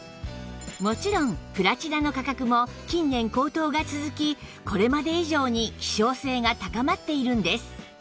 もちろんプラチナの価格も近年高騰が続きこれまで以上に希少性が高まっているんです